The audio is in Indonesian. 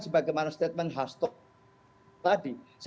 sebagaimana statement hastog tadi saya bersyukur mudah mudahan memang kompak ya